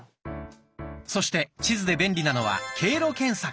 そして地図で便利なのは経路検索。